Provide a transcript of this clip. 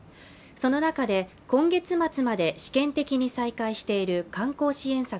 その中で今月末まで試験的に再開している観光支援策